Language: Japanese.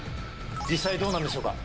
実際どうなんでしょうか？